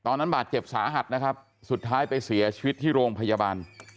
ตอนนั้นบาดเจ็บสาหัสนะครับสุดท้ายไปเสียชีวิตที่โรงพยาบาล